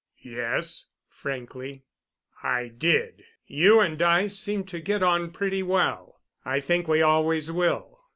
"Yes," frankly, "I did—you and I seem to get on pretty well. I think we always will."